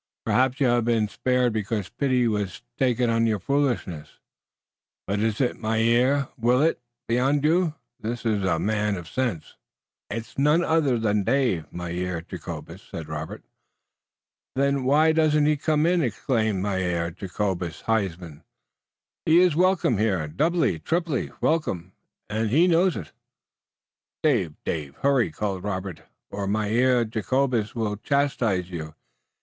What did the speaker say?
Perhaps you haf been spared because pity wass taken on your foolishness. But iss it Mynheer Willet beyond you? That iss a man of sense." "It's none other than Dave, Mynheer Jacobus," said Robert. "Then why doesn't he come in?" exclaimed Mynheer Jacobus Huysman. "He iss welcome here, doubly, triply welcome, und he knows it." "Dave! Dave! Hurry!" called Robert, "or Mynheer Jacobus will chastise you.